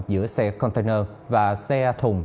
giữa xe container và xe thùng